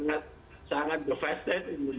itu sangat jauh